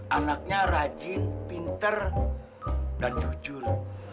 anaknya rajin pinter dan jujur